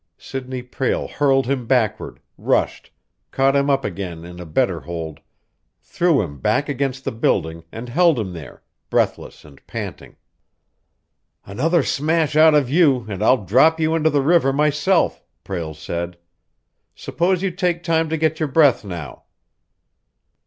Sidney Prale hurled him backward, rushed, caught him up again in a better hold, threw him back against the building, and held him there, breathless and panting. "Another smash out of you, and I'll drop you into the river myself!" Prale said. "Suppose you take time to get your breath now."